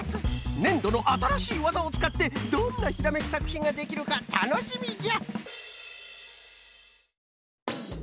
ねんどのあたらしいわざをつかってどんなひらめきさくひんができるかたのしみじゃ！